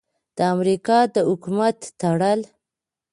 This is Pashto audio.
د امریکا د حکومت تړل: